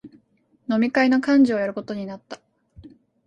飲み会の幹事をやることになった